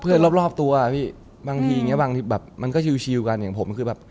เพื่อนรอบตัวอะพี่บางทีเนี่ยบางทีแบบมันก็ชิวกันอย่างผมคือแบบ